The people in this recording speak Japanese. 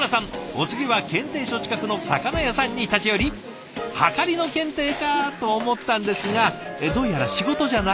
お次は検定所近くの魚屋さんに立ち寄り「『はかり』の検定か？」と思ったんですがどうやら仕事じゃないようで。